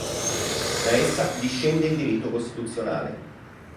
Da essa discende il diritto costituzionale.